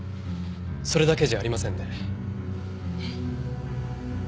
それだけじゃありませんね。